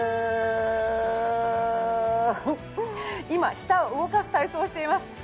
今舌を動かす体操をしています。